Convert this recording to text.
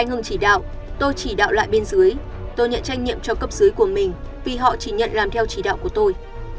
anh hưng chỉ đạo tôi chỉ đạo lại bên dưới tôi nhận trách nhiệm cho cấp dưới của mình vì họ chỉ nhận làm theo chỉ đạo của tôi